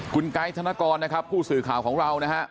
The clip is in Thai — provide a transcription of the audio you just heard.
คุณไกด์ธนกรนะครับผู้สื่อข่าวของเรานะฮะ